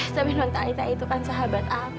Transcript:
sampai lontalita itu kan sahabat aku